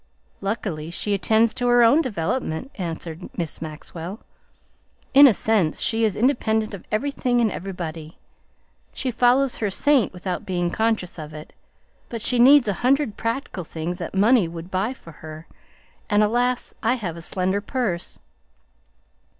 "Luckily she attends to her own development," answered Miss Maxwell. "In a sense she is independent of everything and everybody; she follows her saint without being conscious of it. But she needs a hundred practical things that money would buy for her, and alas! I have a slender purse."